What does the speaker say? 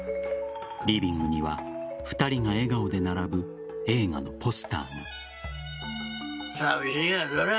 リビングには２人が笑顔で並ぶ映画のポスターが。